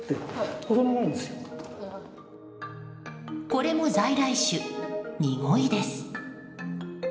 これも在来種、ニゴイです。